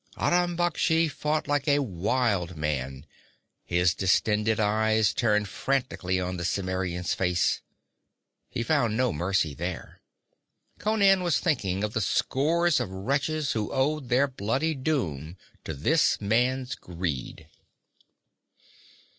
Aram Baksh fought like a wild man, his distended eyes turned frantically on the Cimmerian's face. He found no mercy there. Conan was thinking of the scores of wretches who owed their bloody doom to this man's greed.